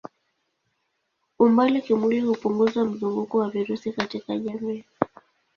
Umbali kimwili hupunguza mzunguko wa virusi katika jamii.